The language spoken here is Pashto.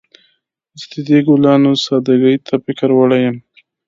زه د دې ګلانو سادګۍ ته فکر وړی یم